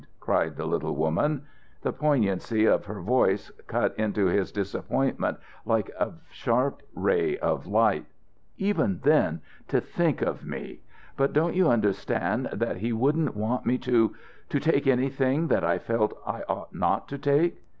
cried the little woman. The poignancy of her voice cut into his disappointment like a sharp ray of light. "Even then to think of me. But don't you understand that he wouldn't want me to to take anything that I felt I ought not to take?"